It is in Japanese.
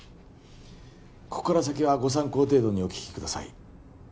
ここから先はご参考程度にお聞きください